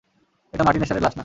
এটা মার্টিন এশারের লাশ না।